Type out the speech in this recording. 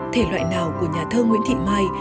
thể loại nào của nhà thơ nguyễn thị mai